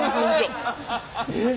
えっ？